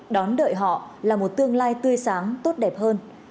đón đợi họ là một tương lai tươi sáng tốt đẹp hơn